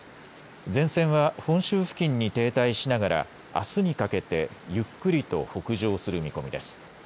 前線は本州付近に停滞しながらあすにかけてゆっくりと北上する見込みです。